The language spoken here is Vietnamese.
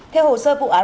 theo hồ sơ vụ án